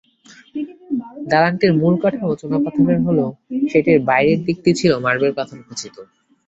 দালানটির মূল কাঠামো চুনাপাথরের হলেও সেটির বাইরের দিকটি ছিল মার্বেল পাথরখচিত।